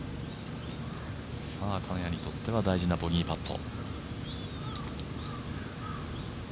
金谷にとっては大事なボギーパット。